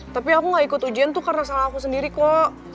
tapi aku gak ikut ujian tuh karena sama aku sendiri kok